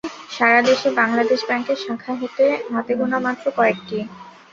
সারা দেশে বাংলাদেশ ব্যাংকের শাখা হাতে গোনা মাত্র কয়েকটি।